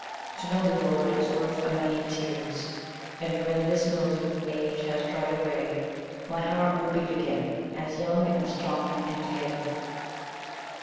To know thee, Lord, is worth a many tears; And when this mildew, age, has dried away, My heart will beat again as young and strong and gay.